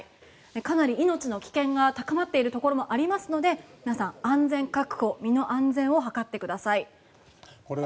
かなり命の危険が高まっているところもありますので皆さん、安全確保身の安全を図ってください。